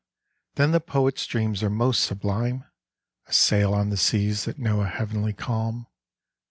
then the poet's dreams are most sublime, A sail on seas that know a heavenly calm.